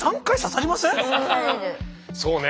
そうね。